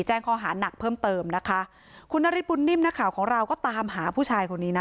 ข้อหานักเพิ่มเติมนะคะคุณนฤทธบุญนิ่มนักข่าวของเราก็ตามหาผู้ชายคนนี้นะ